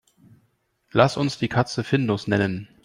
Lass uns die Katze Findus nennen.